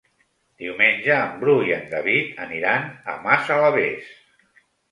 Diumenge en Bru i en David aniran a Massalavés.